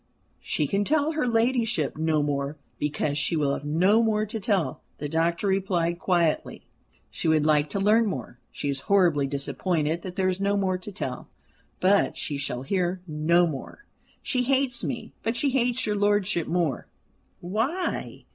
"She can tell her ladyship no more, because she will have no more to tell," the doctor replied quietly. "She would like to learn more; she is horribly disappointed that there is no more to tell; but she shall hear no more. She hates me: but she hates your lordship more." "Why?"